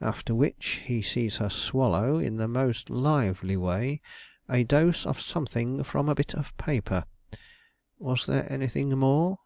After which, he sees her swallow, in the most lively way, a dose of something from a bit of paper. Was there anything more?"